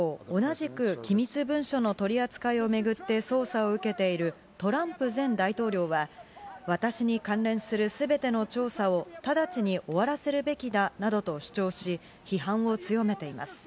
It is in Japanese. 一方、同じく機密文書の取り扱いをめぐって捜査を受けているトランプ前大統領は、私に関連するすべての調査を直ちに終わらせるべきだなどと主張し、批判を強めています。